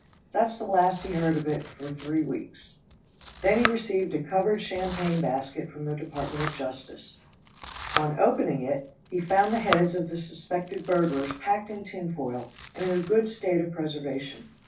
That's the last he heard of that for three weeks. Then he received a covered champagne basket from the Department of Justice. On opening it he found the heads of the suspected burglars packed in tinfoil and in a good state of preservation.